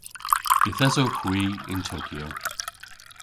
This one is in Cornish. Yth esowgh hwi yn Tokyo.